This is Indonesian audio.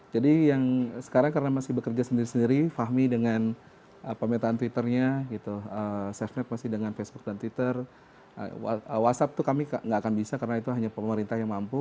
yang sekarang karena masih bekerja sendiri sendiri fahmi dengan pemetaan twitternya gitu safenet masih dengan facebook dan twitter whatsapp itu kami nggak akan bisa karena itu hanya pemerintah yang mampu